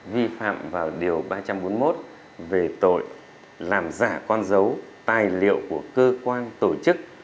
vi phạm vào điều ba trăm bốn mươi một về tội làm giả con dấu tài liệu của cơ quan tổ chức